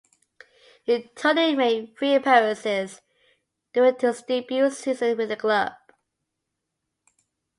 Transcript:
He totally made three appearances during his debut season with the club.